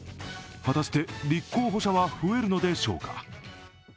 果たして立候補者は増えるのでしょうか。